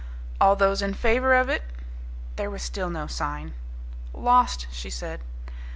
"All those in favour of it " There was still no sign. "Lost," she said.